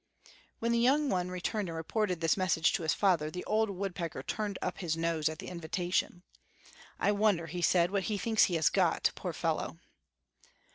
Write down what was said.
When the young one returned and reported this message to his father, the old woodpecker turned up his nose at the invitation. "I wonder," he said, "what he thinks he has got, poor fellow!"